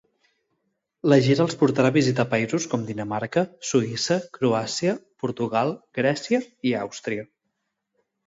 La gira els portarà a visitar països com Dinamarca, Suïssa, Croàcia, Portugal, Grècia i Àustria.